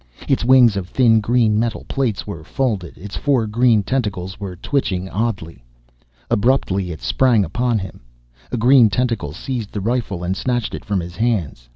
Its wings of thin green metal plates, were folded; its four green tentacles were twitching oddly. Abruptly, it sprang upon him. A green tentacle seized the rifle and snatched it from his hands.